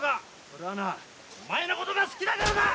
それはなお前のことが好きだからだ！